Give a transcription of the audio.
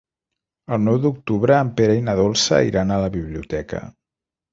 El nou d'octubre en Pere i na Dolça iran a la biblioteca.